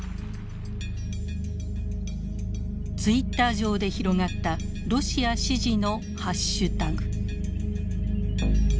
ツイッター上で広がった「ロシア支持」のハッシュタグ。